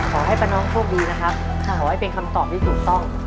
ขอให้ป้าน้องโชคดีนะครับขอให้เป็นคำตอบที่ถูกต้อง